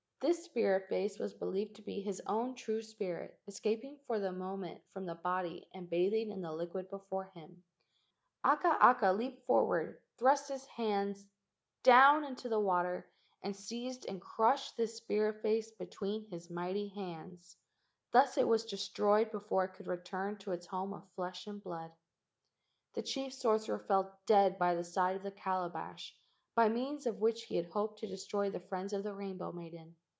This spirit face was be¬ lieved to be his own true spirit escaping for the moment from the body and bathing in the liquid before him. Before he could leap back and re¬ store his spirit to his body Akaaka leaped for¬ ward, thrust his hands down into the water and HAWAIIAN GHOST TESTING 93 seized and crushed this spirit face between his mighty hands. Thus it was destroyed before it could return to its home of flesh and blood. . The chief sorcerer fell dead by the side of the calabash by means of which he had hoped to de¬ stroy the friends of the rainbow maiden.